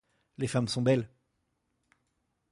Les femmes sont belles.